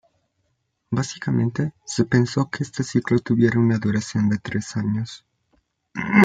Básicamente, se pensó que este ciclo tuviera una duración de tres años.